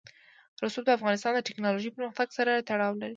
رسوب د افغانستان د تکنالوژۍ پرمختګ سره تړاو لري.